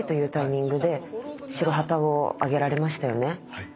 はい。